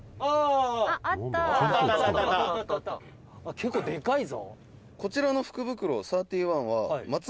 「結構でかいぞ」